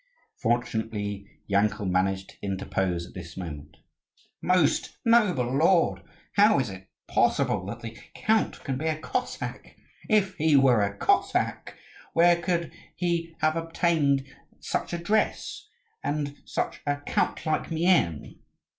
Fortunately Yankel managed to interpose at this moment: "Most noble lord, how is it possible that the count can be a Cossack? If he were a Cossack, where could have he obtained such a dress, and such a count like mien?"